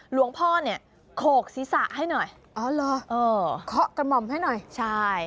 หลวงพ่อเนี่ยขกศรีสาให้หน่อยเฮ้อเหรอเออขเหะกะหม่อนให้หน่อยใช่